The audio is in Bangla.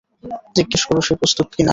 জিজ্ঞেস কর সে প্রস্তুত কি-না?